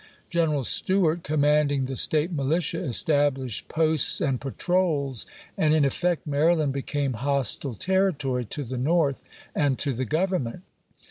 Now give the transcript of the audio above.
General Stewart, commanding the State militia, established posts and patrols, and in effect Mary land became hostile territory to the North and to the Government.